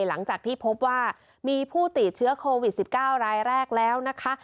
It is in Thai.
หลังจากที่พบว่ามีผู้ติดเชื้อโควิด๑๙รายแรกแล้วนะคะ